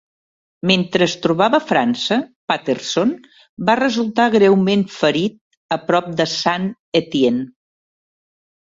Mentre es trobava a França, Patterson va resultar greument ferit a prop de Saint-Étienne.